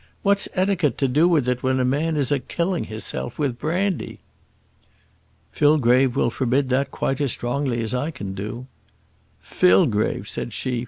"What's etiquette to do with it when a man is a killing hisself with brandy?" "Fillgrave will forbid that quite as strongly as I can do." "Fillgrave!" said she.